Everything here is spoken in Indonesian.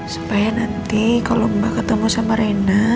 supaya nanti kalau mbak ketemu sama rena